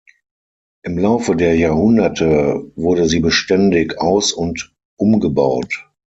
Im Laufe der Jahrhunderte wurde sie beständig aus- und umgebaut.